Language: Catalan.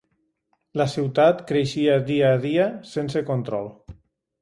La ciutat creixia dia a dia sense control.